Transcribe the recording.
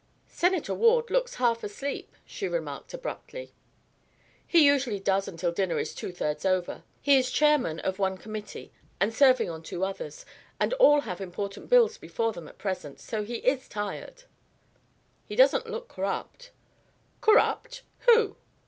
"Senator Ward looks half asleep," she remarked abruptly. "He usually does until dinner is two thirds over. He is Chairman of one Committee and serving on two others; and all have important bills before them at present. So he is tired." "He doesn't look corrupt." "Corrupt? Who?